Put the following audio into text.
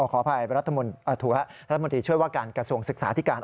ขออภัยรัฐมนตรีช่วยว่าการกระทรวงศึกษาที่การ